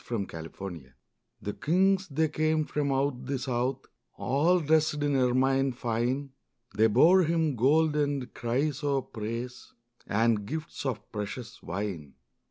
Christmas Carol The kings they came from out the south, All dressed in ermine fine, They bore Him gold and chrysoprase, And gifts of precious wine.